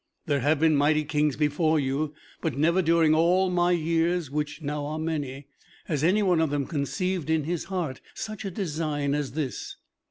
There have been mighty kings before you, but never during all my years, which now are many, has any one of them conceived in his heart such a design as this.